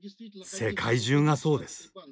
世界中がそうです。